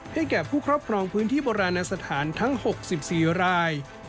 แก่ผู้ครอบครองพื้นที่โบราณสถานทั้ง๖๔ราย